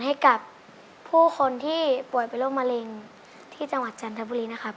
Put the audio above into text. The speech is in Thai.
ให้กับผู้คนที่ป่วยเป็นโรคมะเร็งที่จังหวัดจันทบุรีนะครับ